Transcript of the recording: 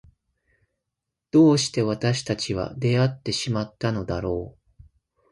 どうして私たちは出会ってしまったのだろう。